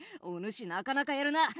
おぬしなかなかやるな。